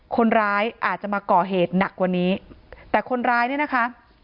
คนร้ายอาจจะมาก่อเหตุหนักกว่านี้แต่คนร้ายเนี่ยนะคะ